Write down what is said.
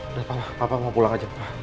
udah pa pa mau pulang aja pa